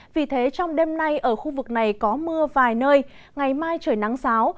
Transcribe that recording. vì thế trong đêm nay ở khu vực này có mưa vài nơi ngày mai trời nắng giáo